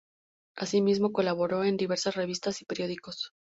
Así mismo colaboró en diversas revistas y periódicos.